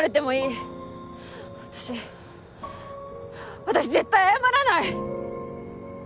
私私絶対謝らない！！